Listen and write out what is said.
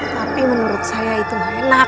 tapi menurut saya itu enak